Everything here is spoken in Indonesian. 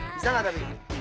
bisa gak tadi